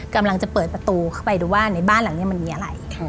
กำลังจะเปิดประตูเข้าไปดูว่าในบ้านหลังนี้มันมีอะไร